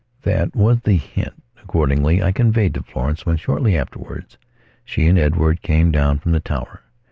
That was the hint that, accordingly, I conveyed to Florence when, shortly afterwards, she and Edward came down from the tower.